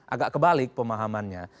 agak kebalik pemahamannya